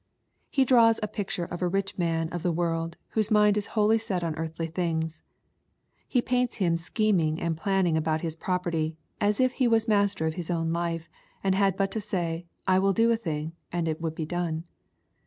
He draws the picture of a rich man of the world, whose mind is wholly set on earthly things. He paints him scheming and planning about his property, as if he was master of his own life, and had but to say, " I will do a thing,'' and it would be done.